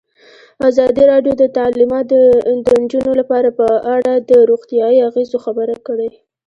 ازادي راډیو د تعلیمات د نجونو لپاره په اړه د روغتیایي اغېزو خبره کړې.